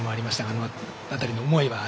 あの辺りの思いは改めて？